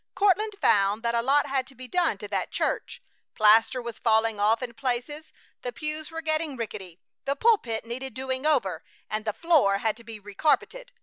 Courtland found that a lot had to be done to that church. Plaster was falling off in places, the pews were getting rickety. The pulpit needed doing over, and the floor had to be recarpeted.